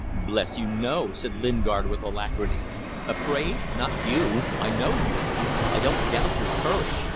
"Bless you! no!" said Lingard with alacrity. "Afraid! Not you. I know you. I don't doubt your courage.